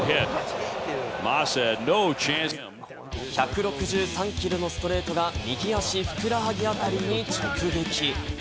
１６３キロのストレートが右足、ふくらはぎ辺りに直撃。